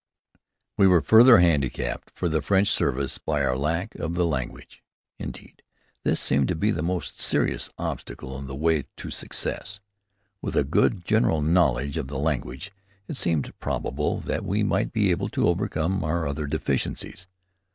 We were further handicapped for the French service by our lack of the language. Indeed, this seemed to be the most serious obstacle in the way to success. With a good general knowledge of the language it seemed probable that we might be able to overcome our other deficiencies.